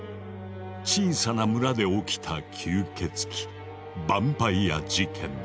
小さな村で起きた吸血鬼バンパイア事件だ。